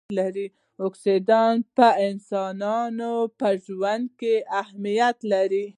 اکسایډونه په انسانانو په ژوند کې اهمیت لري.